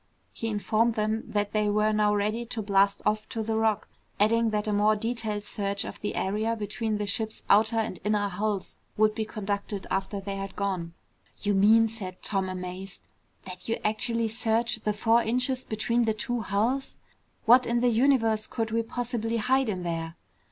He informed them that they were now ready to blast off to the Rock, adding that a more detailed search of the area between the ship's outer and inner hulls would be conducted after they had gone. "You mean," said Tom, amazed, "that you actually search the four inches between the two hulls? What in the universe could we possibly hide in there?"